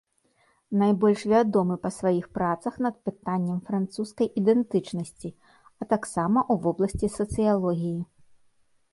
Найбольш вядомы па сваіх працах над пытаннем французскай ідэнтычнасці, а таксама ў вобласці сацыялогіі.